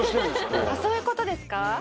そういうことですか？